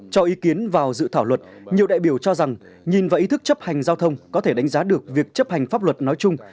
cho ý kiến vào dự thảo luật nhiều đại biểu cho rằng nhìn vào ý thức chấp hành giao thông có thể đánh giá được việc chấp hành pháp luật nói chung